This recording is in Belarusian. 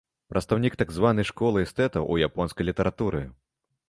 Прадстаўнік так званай школы эстэтаў у японскай літаратуры.